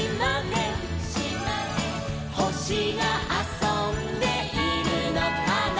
「ほしがあそんでいるのかな」